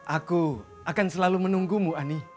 aku akan selalu menunggumu ani